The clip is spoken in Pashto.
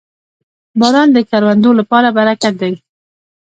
• باران د کروندو لپاره برکت دی.